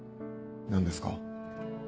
何ですか？